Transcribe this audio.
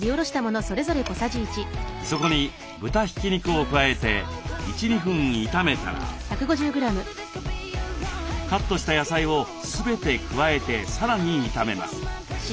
そこに豚ひき肉を加えて１２分炒めたらカットした野菜を全て加えてさらに炒めます。